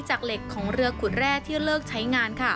จากเหล็กของเรือขุดแร่ที่เลิกใช้งาน